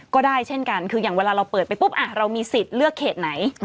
ก็ได้เช่นกันคืออย่างเวลาเราเปิดไปปุ๊บเรามีสิทธิ์เลือกเขตไหน